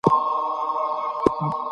و خاوند لره پیدا یې ورک غمی سو